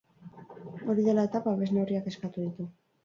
Hori dela eta, babes neurriak eskatu ditu.